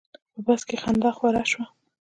په بس کې خندا خوره شوه.